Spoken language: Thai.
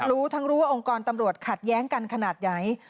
รู้ทั้งรู้ว่าองค์กรตำรวจขัดแย้งกันขนาดไหน